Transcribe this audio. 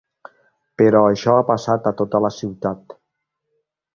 Però això ha passat a tota la ciutat.